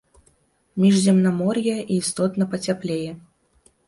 Міжземнамор'я і істотна пацяплее.